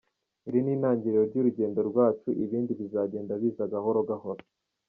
Iri n’itangiriro ry’urugendo rwacu, ibindi bizagenda biza gahoro gahoro.